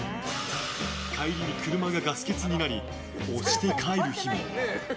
帰りに車がガス欠になり押して帰る日も。